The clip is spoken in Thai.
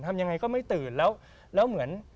ทำยังไงก็ไม่ตื่นแล้วเหมือน